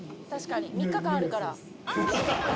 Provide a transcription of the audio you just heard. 確かに３日間あるから。